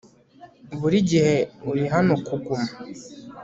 buri gihe uri hano kuguma